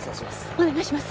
お願いします。